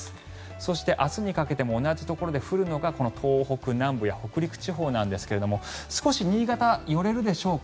そして明日にかけても同じところで降るのがこの東北南部や北陸地方なんですが少し新潟、寄れるでしょうか？